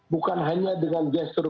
bukan hanya dengan gestur